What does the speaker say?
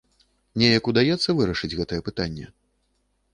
Неяк удаецца вырашыць гэтае пытанне?